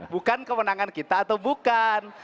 bukan kewenangan kita atau bukan